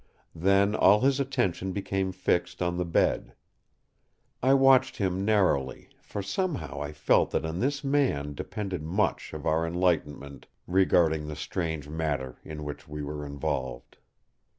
Then all his attention became fixed on the bed. I watched him narrowly, for somehow I felt that on this man depended much of our enlightenment regarding the strange matter in which we were involved.